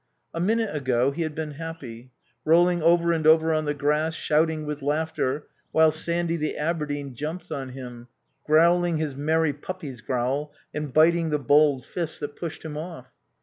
A minute ago he had been happy, rolling over and over on the grass, shouting with laughter while Sandy, the Aberdeen, jumped on him, growling his merry puppy's growl and biting the balled fists that pushed him off.